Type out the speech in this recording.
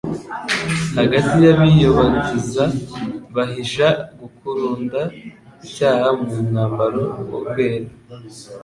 Hagati y'abiyobagiza, bahisha gukuruda icyaha mu mwambaro wo kwera